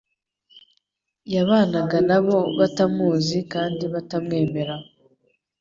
Yabanaga na bo batamuzi kandi batamwemera.